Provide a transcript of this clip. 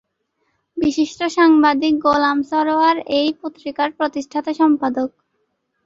বিশিষ্ট সাংবাদিক গোলাম সারওয়ার এই পত্রিকার প্রতিষ্ঠাতা সম্পাদক।